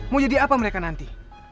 mau jadi apa mereka nanti